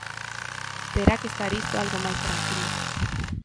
Terá que estar isto algo máis tranquilo.